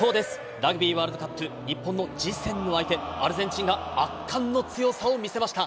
ラグビーワールドカップ、日本の次戦の相手、アルゼンチンが圧巻の強さを見せました。